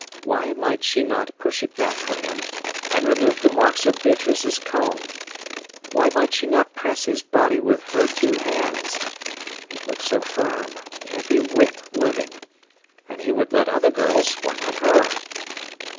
Why might she not push it back for him, and remove the marks of Beatrice's comb? Why might she not press his body with her two hands. It looked so firm, and every whit living. And he would let other girls, why not her?